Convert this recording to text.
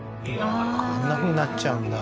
あーあんなふうになっちゃうんだ